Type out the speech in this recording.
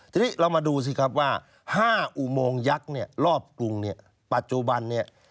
ทีนี้เรามาดูสิครับว่า๕อุโมงยักษ์รอบกรุงปัจจุบัน